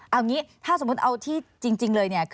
เอางี้ถ้าสมมุติเอาที่จริงเลยเนี่ย